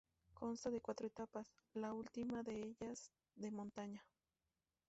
Consta de cuatro etapas, la última de ellas de montaña.